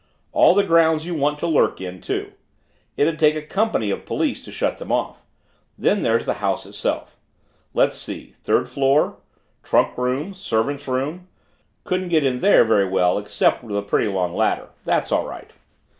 All the grounds you want to lurk in, too; it'd take a company of police to shut them off. Then there's the house itself. Let's see third floor trunk room, servants' rooms couldn't get in there very well except with a pretty long ladder that's all right.